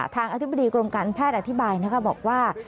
ทางอธิบดีกรมการแพทย์อธิบายบอกว่า